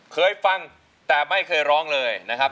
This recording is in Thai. เคยฟังแต่ไม่เคยร้องเลยนะครับ